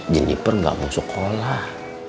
jenipan gak mau sekolah